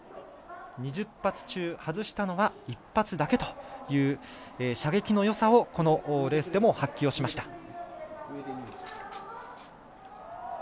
２０発中外したのは１発だけという射撃のよさをこのレースでも発揮しました。